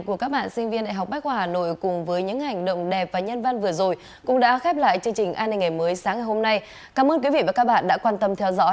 các bạn hãy đăng ký kênh để ủng hộ kênh của chúng mình nhé